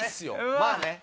まあね。